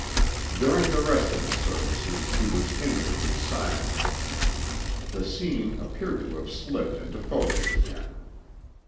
During the rest of the services he was inwardly silent. The scene appeared to have slipped into focus again.